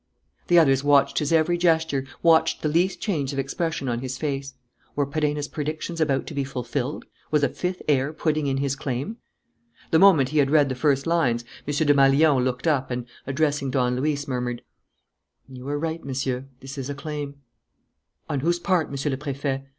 The others watched his every gesture, watched the least change of expression on his face. Were Perenna's predictions about to be fulfilled? Was a fifth heir putting in his claim? The moment he had read the first lines, M. Desmalions looked up and, addressing Don Luis, murmured: "You were right, Monsieur. This is a claim." "On whose part, Monsieur le Préfet?"